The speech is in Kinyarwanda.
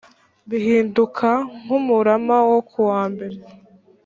bihinduka nk umurama wo kuwambere